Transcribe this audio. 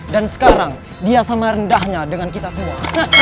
dan sekarang dia sama rendahnya dengan kita semua